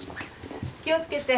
気をつけて。